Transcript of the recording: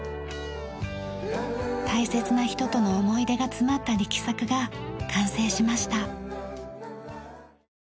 大切な人との思い出が詰まった力作が完成しました。